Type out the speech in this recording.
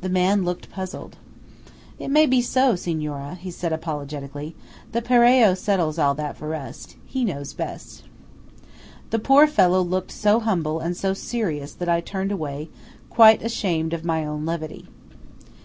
The man looked puzzled. "It may be so, Signora," he said apologetically. " The Paroeo settles all that for us–he knows best." The poor fellow looked so humble and so serious that I turned away, quite ashamed of my own levity.